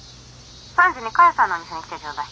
３時にかよさんのお店に来てちょうだい。